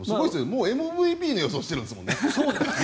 もうＭＶＰの予想をしているんですもんね。